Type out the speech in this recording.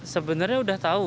sebenarnya sudah tahu